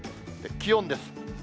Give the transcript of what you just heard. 気温です。